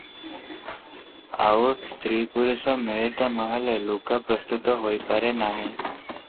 ଆଉ ସ୍ତ୍ରୀ ପୁରୁଷ ମିଳିତ ନହେଲେ ଲୁଗା ପ୍ରସ୍ତୁତ ହୋଇପାରେ ନାହିଁ ।